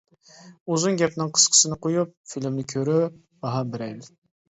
ئۇزۇن گەپنىڭ قىسقىسىنى قويۇپ، فىلىمنى كۆرۈپ باھا بېرەيلى!